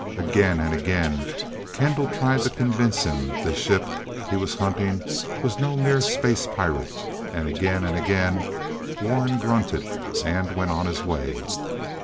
Again and again, Kendall tried to convince him this ship he was hunting was no mere space pirate, and again and again Warren grunted, and went on his way.